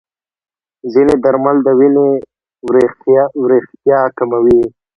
ځینې درمل د وینې وریښتیا کموي.